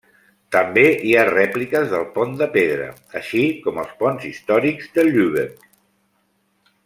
També hi ha rèpliques del Pont de Pedra, així com els ponts històrics de Lübeck.